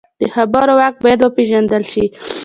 د خبرو واک باید وپېژندل شي